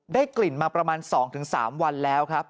ได้กลิ่นมาประมาณ๒๓วันแล้วครับ